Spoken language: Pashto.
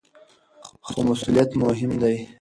خو مسؤلیت مهم دی.